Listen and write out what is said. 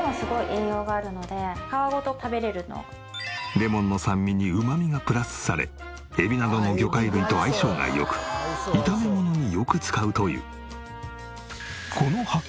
レモンの酸味にうまみがプラスされエビなどの魚介類と相性が良く炒め物によく使うという。